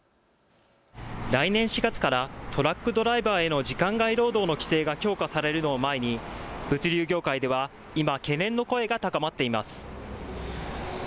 来年４月からトラックドライバーへの時間外労働の規制が強化されるのを前に物流業界では今、懸念の声が高まっています。